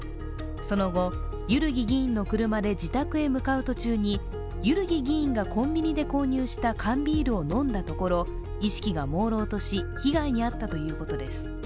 その後、万木議員の車で自宅へ向かう途中に万木議員がコンビニで購入した缶ビールを飲んだところ、意識がもうろうとし、被害に遭ったということです。